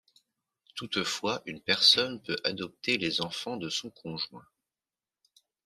Toutefois une personne peut adopter les enfants de son conjoint.